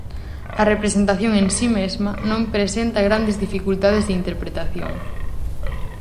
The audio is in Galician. A representación en si mesma non presenta grandes dificultades de interpretación.